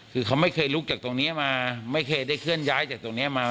คือเขาไม่เคยลุกจากตรงนี้มาไม่เคยได้เคลื่อนย้ายจากตรงนี้มา